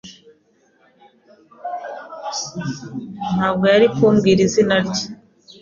Ntabwo yari kumbwira izina rye.